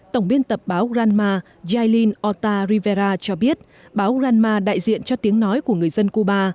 tổng biên tập báo granma jailin ota rivera cho biết báo granma đại diện cho tiếng nói của người dân cuba